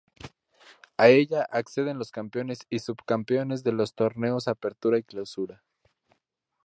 A ella acceden los campeones y subcampeones de los torneos Apertura y Clausura.